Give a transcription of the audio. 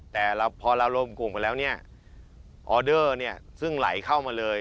แต่พอเรารวมกลุ่มกันแล้วออเดอร์ซึ่งไหลเข้ามาเลย